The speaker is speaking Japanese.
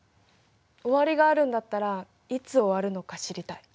終わりがあるんだったらいつ終わるのか知りたい。